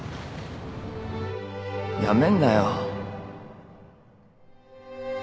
辞めんなよ